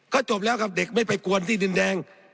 ก็จบแล้วครับเด็กไม่ไปกวนที่ดินแดง